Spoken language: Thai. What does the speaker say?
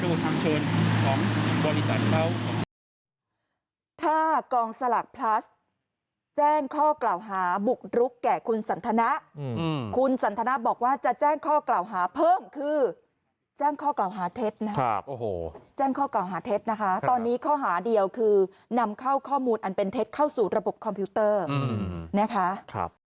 โดยพนักงานของเขาและโดยทางเชิญของบริษัทเขา